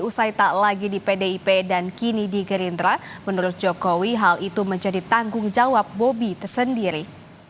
usai tak lagi di pdip dan kini di gerindra menurut jokowi hal itu menjadi tanggung jawab bobby tersendiri